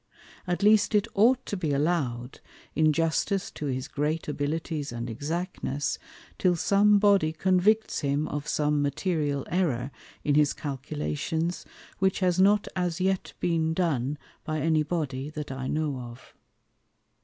At least it ought to be allow'd, in justice to his great Abilities and Exactness, till some Body convicts him of some material Error in his Calculations, which has not as yet been done by any Body, that I know of.